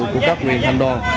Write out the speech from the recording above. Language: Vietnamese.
của các nguyên thanh đoàn